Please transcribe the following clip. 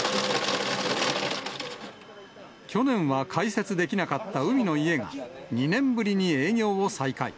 去年は開設できなかった海の家が、２年ぶりに営業を再開。